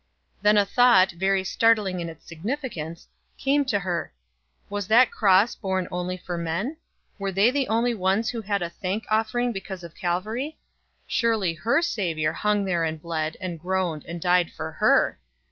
Then a thought, very startling in its significance, came to her. Was that cross borne only for men? were they the only ones who had a thank offering because of Calvary? Surely her Savior hung there, and bled, and groaned, and died for HER.